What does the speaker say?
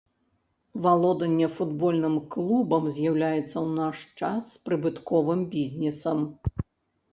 Валоданне футбольным клубам з'яўляецца ў наш час прыбытковым бізнесам.